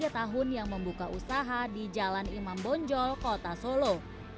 tiga tahun yang membuka usaha di jalan imam bonjol kota solo